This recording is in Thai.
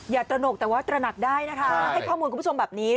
ตระหนกแต่ว่าตระหนักได้นะคะให้ข้อมูลคุณผู้ชมแบบนี้